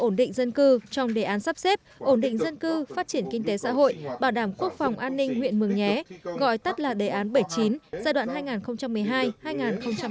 ổn định dân cư trong đề án sắp xếp ổn định dân cư phát triển kinh tế xã hội bảo đảm quốc phòng an ninh huyện mường nhé gọi tắt là đề án bảy mươi chín giai đoạn hai nghìn một mươi hai hai nghìn hai mươi